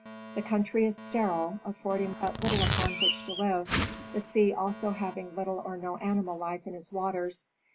The country is sterile, affording but little upon which to live, the sea also having little or no animal life in its waters.